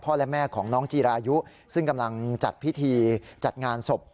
และแม่ของน้องจีรายุซึ่งกำลังจัดพิธีจัดงานศพ